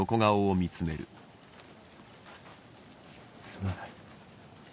すまない。